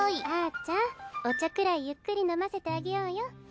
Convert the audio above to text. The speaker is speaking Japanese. あちゃんお茶くらいゆっくり飲ませてあげようよ。